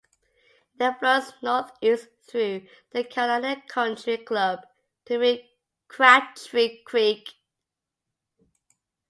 It then flows northeast through the Carolina Country Club to meet Crabtree Creek.